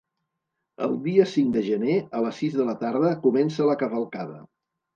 El dia cinc de gener, a les sis de la tarda, comença la cavalcada.